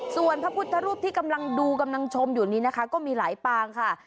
ส่วนพระพุทธรูปที่กำลังดูกำลังชมอยู่นี้นะคะก็มีหลายปางค่ะ